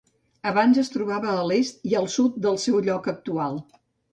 Abans es trobava a l'est i al sud del seu lloc actual.